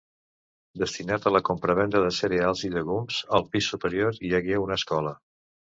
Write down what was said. Destinat a la compravenda de cereals i llegums, al pis superior hi hagué una escola.